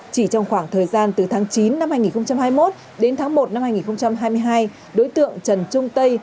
chỉ trong khoảng thời gian từ tháng chín năm hai nghìn hai mươi một đến tháng một năm hai nghìn hai mươi hai đối tượng trần trung tây